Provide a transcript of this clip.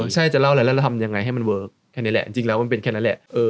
ใช่จะเล่าอะไรแล้วเราทำยังไงให้มันเวิร์คแค่นี้แหละจริงแล้วมันเป็นแค่นั้นแหละ